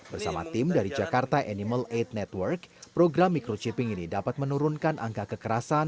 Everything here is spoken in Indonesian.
bersama tim dari jakarta animal aid network program microchipping ini dapat menurunkan angka kekerasan